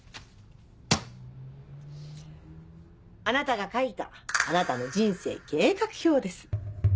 あなたが書いたあなたの人生計画表です。